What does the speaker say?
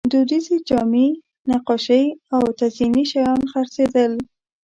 دودیزې جامې، نقاشۍ او تزییني شیان خرڅېدل.